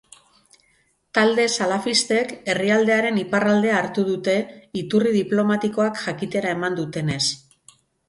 Talde salafistek herrialdearen iparraldea hartu dute, iturri diplomatikoak jakitera eman dutenez.